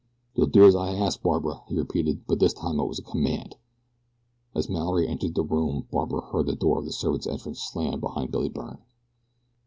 "You'll do as I ask, Barbara!" he repeated, but this time it was a command. As Mallory entered the room Barbara heard the door of the servants' entrance slam behind Billy Byrne.